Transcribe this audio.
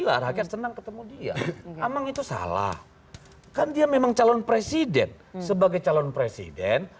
lah rakyat senang ketemu dia emang itu salah kan dia memang calon presiden sebagai calon presiden